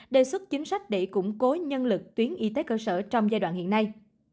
đề xuất chính sách để củng cố nhân lực tuyến y tế cơ sở trong giai đoạn hiện nay